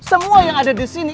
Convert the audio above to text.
semua yang ada di sini